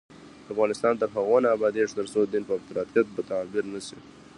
افغانستان تر هغو نه ابادیږي، ترڅو دین په افراطیت تعبیر نشي.